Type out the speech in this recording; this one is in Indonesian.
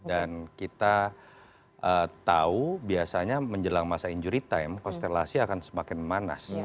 kita tahu biasanya menjelang masa injury time konstelasi akan semakin memanas